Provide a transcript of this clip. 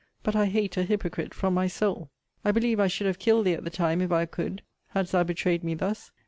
But I hate a hypocrite from my soul. I believe I should have killed thee at the time, if I could, hadst thou betrayed me thus.